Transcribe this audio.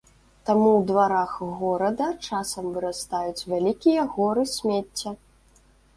Таму ў дварах горада часам вырастаюць вялікія горы смецця.